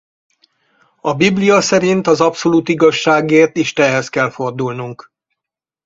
A biblia szerint az abszolút igazságért Istenhez kell fordulnunk.